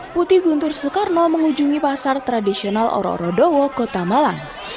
putih guntur soekarno mengunjungi pasar tradisional ororodowo kota malang